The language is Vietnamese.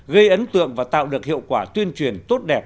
gây ấn tượng và tạo được hiệu quả tuyên truyền tốt đẹp